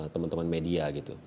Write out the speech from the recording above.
teman teman media gitu